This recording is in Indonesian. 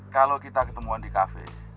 kalau kita ketemuan di kafe